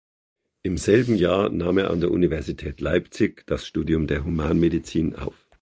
Im selben Jahr nahm er an der Universität Leipzig das Studium der Humanmedizin auf.